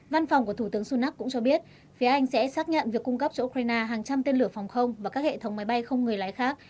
văn phòng của thủ tướng sunak cũng cho biết phía anh sẽ xác nhận việc cung cấp cho ukraine hàng trăm tên lửa phòng không và các hệ thống máy bay không người lái khác